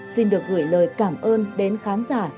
xin được gửi lời cảm ơn đến khán giả